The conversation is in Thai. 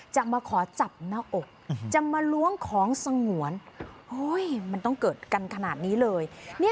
จะมาขอจับหน้าอกจะมาล้วงของสงวนมันต้องเกิดกันขนาดนี้เลย